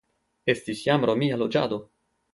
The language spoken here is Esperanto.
Estis jam romia loĝado.